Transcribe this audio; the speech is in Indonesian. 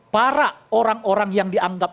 para orang orang yang dianggap